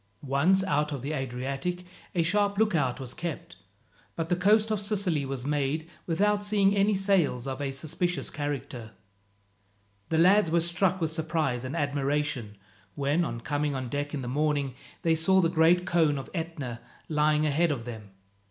Once out of the Adriatic a sharp lookout was kept, but the coast of Sicily was made without seeing any sails of a suspicious character. The lads were struck with surprise and admiration when, on coming on deck in the morning, they saw the great cone of Etna lying ahead of them.